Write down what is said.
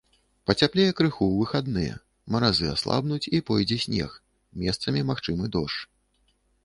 Пацяплее крыху ў выхадныя, маразы аслабнуць і пойдзе снег, месцамі магчымы дождж.